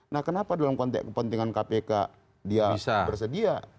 nah kenapa dalam konteks kepentingan kpk dia bersedia